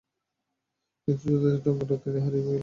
কিন্তু যোদ্ধাদের তরঙ্গে তিনি হারিয়ে গেলেন।